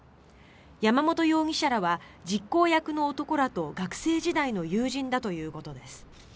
山本容疑者らは実行役の男らと学生時代の友人だということです。